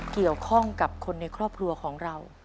เกี่ยวข้องกับคนในครอบครัวของเรา